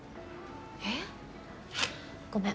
えっ？ごめん。